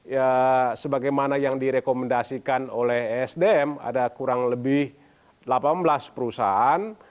ya sebagaimana yang direkomendasikan oleh esdm ada kurang lebih delapan belas perusahaan